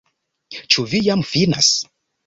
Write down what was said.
Ĉu vi jam finas?